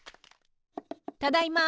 ただいま。